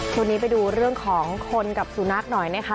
ช่วงนี้ไปดูเรื่องของคนกับสุนัขหน่อยนะคะ